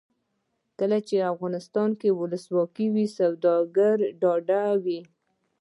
کله چې افغانستان کې ولسواکي وي سوداګر ډاډه وي.